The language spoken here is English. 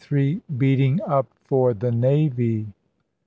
BEATING UP FOR THE NAVY.